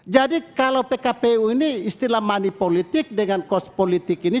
jadi kalau pkpu ini istilah money politik dengan kos politik ini